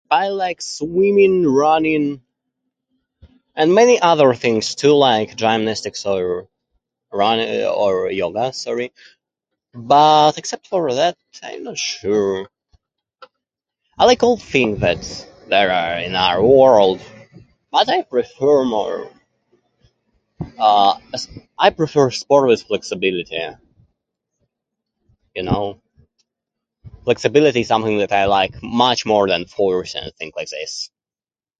I like swimming, running, and many other things, too. Like gymnastics or run- already that, sorry. But except for that, I'm not sure. I like all things that there are in our world. But I prefer more, uh, s- I prefer sport with flexibility, you know? Flexibility is something that I like much more than force or anything like this.